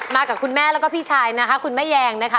กับคุณแม่แล้วก็พี่ชายนะคะคุณแม่แยงนะคะ